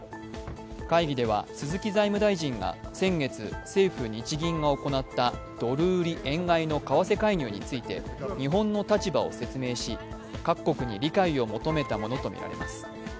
会議では鈴木財務大臣が先月、政府・日銀が行ったドル売り円買いの為替介入について日本の立場を説明し、各国に理解を求めたものとみられます。